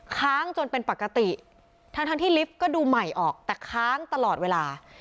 ค้างจนเป็นปกติทั้งทั้งที่ลิฟต์ก็ดูใหม่ออกแต่ค้างตลอดเวลา